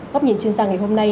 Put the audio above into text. góp nhìn chuyên gia ngày hôm nay